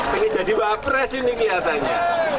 pengen jadi wapres ini kelihatannya